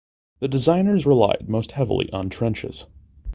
The designers relied most heavily on trenches.